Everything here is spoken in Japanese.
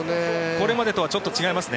これまでとはちょっと違いますね。